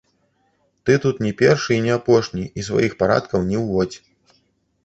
Ты тут не першы і не апошні і сваіх парадкаў не ўводзь.